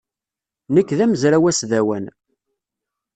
Nekk d amezraw asdawan.